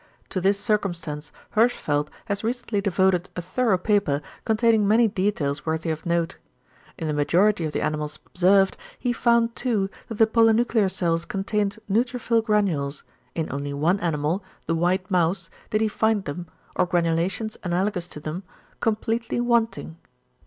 To this circumstance Hirschfeld has recently devoted a thorough paper containing many details worthy of note. In the majority of the animals observed, he found too that the polynuclear cells contained neutrophil granules; in only one animal, the white mouse, did he find them, or granulations analogous to them, completely wanting.